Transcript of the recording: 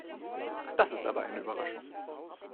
Das ist aber eine Überraschung.